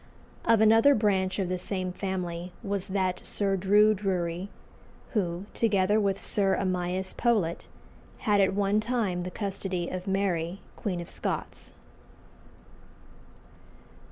Of another branch of the same family was that Sir Drue Drury, who, together with Sir Amias Powlett, had at one time the custody of Mary, Queen of Scots.